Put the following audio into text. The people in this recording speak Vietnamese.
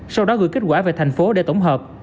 sau đó gửi kết quả về thành phố để tổng hợp